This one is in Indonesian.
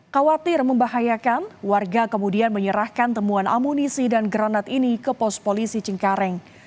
khawatir membahayakan warga kemudian menyerahkan temuan amunisi dan granat ini ke pos polisi cengkareng